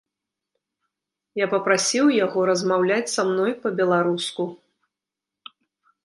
Я папрасіў яго размаўляць са мной па-беларуску.